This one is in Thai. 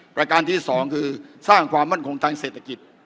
ประการที่สองคือสร้างความมั่นคงทางเศรษฐกิจ